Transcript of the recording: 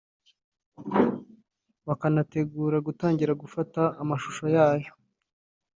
bakanategura gutangira gufata amashusho yayo